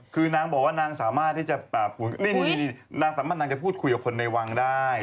คือนางบอกว่านางสามารถที่จะพูดคุยกับคนในวังได้